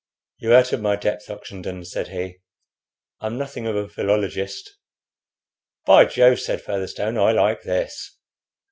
"You're out of my depth, Oxenden," said he. "I'm nothing of a philologist." "By Jove!" said Featherstone, "I like this.